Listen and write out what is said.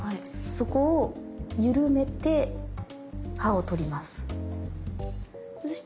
そこを緩めて刃を取ります。